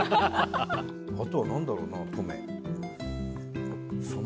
あとは何だろうな登米。